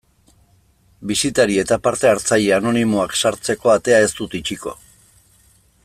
Bisitari eta parte hartzaile anonimoak sartzeko atea ez dut itxiko.